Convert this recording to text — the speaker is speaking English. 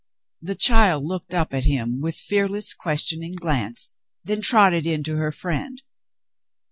The child looked up at him with fearless, questioning glance, then trotted in to her friend.